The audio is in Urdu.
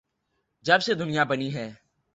جب سے دنیا بنی ہے۔